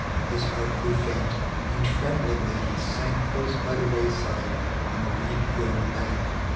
His heart grew faint, and tremblingly he sank Close by the wayside on a weed grown bank.